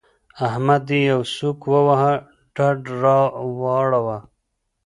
احمد مې يوه سوک وواهه؛ ډډ را واړاوو.